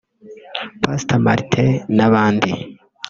Pastor Martin n’abandi